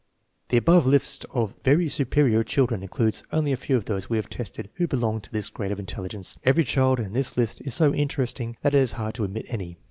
The above list of " very superior " children includes only a few of those we have tested who belong to this grade of intelligence. Every child in the list is so interesting that it is hard to omit any.